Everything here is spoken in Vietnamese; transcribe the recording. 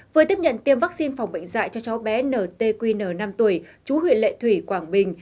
vừa tiếp nhận tiêm vaccine phòng bệnh dạy cho cháu bé ntqn năm tuổi chú huyện lệ thủy quảng bình